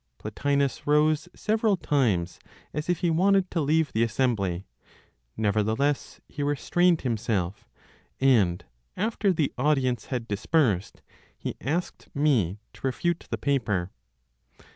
Plotinos rose several times, as if he wanted to leave the assembly; nevertheless, he restrained himself, and after the audience had dispersed, he asked me to refute the paper.